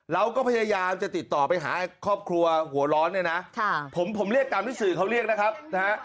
เราก็พยายามจะติดต่อไปหาครอบครัวหัวร้อนเนี่ยนะผมเรียกตามที่สื่อเขาเรียกนะครับนะฮะ